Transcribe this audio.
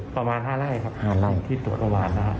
ประมาณ๕ไร่ครับที่ตรวจประหว่างนะครับ